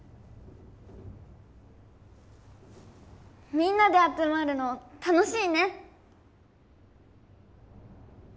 みんなであつまるの楽しいね。